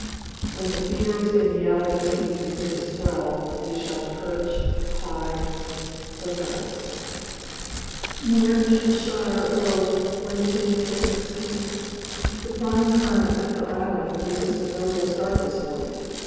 When the feeders in the Alleghanies begin to swell, we shall perch high o' nights. Near Cheshire, O., Wednesday, May 16th. The fine current at the island gave us a noble start this morning.